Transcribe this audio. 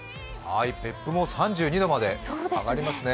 別府も３２度まで上がりますね。